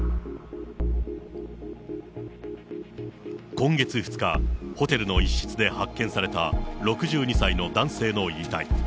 今月２日、ホテルの一室で発見された６２歳の男性の遺体。